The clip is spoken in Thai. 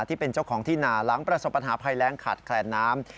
ที่เป็นเจ้าของที่นาหลังประสบปัญหาภัยแรงขาดแคลนน้ำ